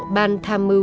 ban tham mưu